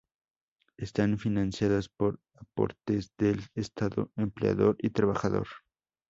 Están financiadas por aportes del Estado, empleador y trabajador.